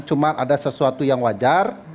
cuma ada sesuatu yang wajar